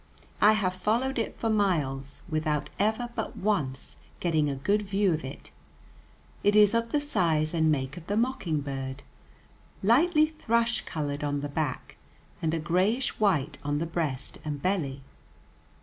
I have followed it for miles, without ever but once getting a good view of it. It is of the size and make of the mockingbird, lightly thrush colored on the back, and a grayish white on the breast and belly.